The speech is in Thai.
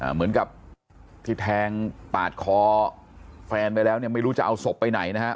เหมือนกับที่แทงปาดคอแฟนไปแล้วเนี่ยไม่รู้จะเอาศพไปไหนนะฮะ